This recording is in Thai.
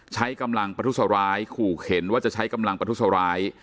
ใช้กำลังประทุษร้ายขู่เข็นว่าจะใช้กำลังประทุษร้าย